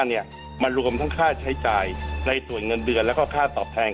เนี่ยมันรวมทั้งค่าใช้จ่ายในส่วนเงินเดือนแล้วก็ค่าตอบแทน